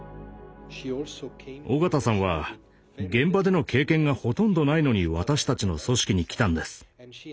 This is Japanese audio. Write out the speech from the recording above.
緒方さんは現場での経験がほとんどないのに私たちの組織に来たんです。